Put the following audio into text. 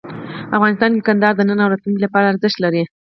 افغانستان کې کندهار د نن او راتلونکي لپاره ارزښت لري.